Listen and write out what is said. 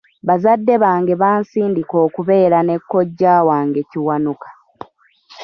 Bazadde bange bansindika okubeera ne kojja wange Kiwanuka.